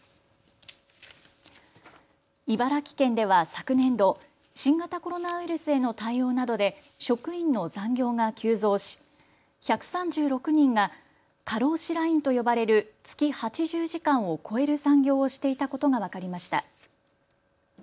茨城県では昨年度、新型コロナウイルスへの対応などで職員の残業が急増し１３６人が過労死ラインと呼ばれる月８０時間を超える残業をしていたことが分かりました。